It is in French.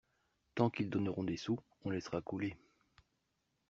Tant qu’ils donneront des sous, on laissera couler.